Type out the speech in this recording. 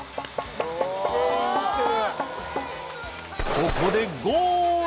・ここでゴール！